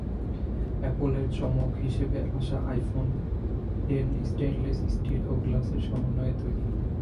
অ্যাপলের চমক হিসেবে আসা আইফোন টেন স্টেইনলেস স্টিল ও গ্লাসের সমন্বয়ে তৈরি।